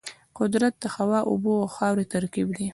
قدرت د هوا، اوبو او خاورو ترکیب دی.